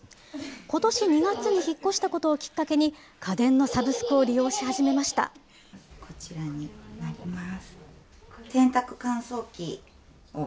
ことし２月に引っ越したことをきっかけに、家電のサブスクを利用こちらになります。